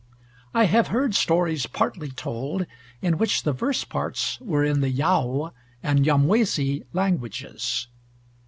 . I have heard stories partly told, in which the verse parts were in the Yao and Nyamwezi languages."